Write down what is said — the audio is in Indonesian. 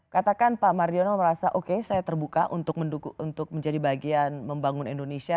katakan pak mardiono merasa oke saya terbuka untuk menjadi bagian membangun indonesia